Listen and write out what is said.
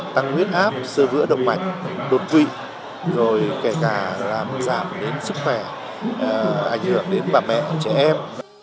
tăng nguyên áp sơ vữa động mạch đột vi rồi kể cả giảm đến sức khỏe ảnh hưởng đến bà mẹ trẻ em